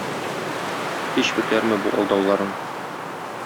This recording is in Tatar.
Һич бетәрме бу алдауларың?